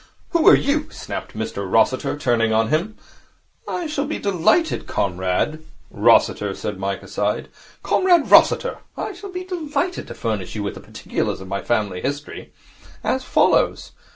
'Who are you?' snapped Mr Rossiter, turning on him. 'I shall be delighted, Comrade ' 'Rossiter,' said Mike, aside. 'Comrade Rossiter. I shall be delighted to furnish you with particulars of my family history. As follows.